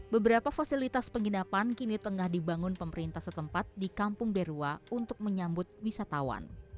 beberapa fasilitas penginapan kini tengah dibangun pemerintah setempat di kampung berua untuk menyambut wisatawan